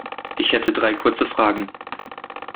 Ich hätte drei kurze Fragen.